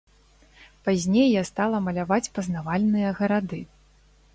Пазней я стала маляваць пазнавальныя гарады.